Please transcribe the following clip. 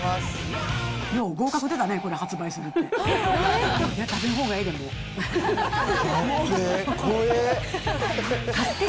よう合格出たね、これ、発売するって。